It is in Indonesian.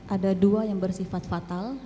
ada dua yang bersifat fatal